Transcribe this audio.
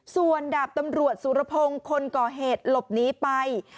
ส่วนดาบตำรวจสุรพงศ์คนก่อเหตุหลบหนีไป